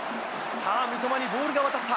さあ三笘にボールが渡った。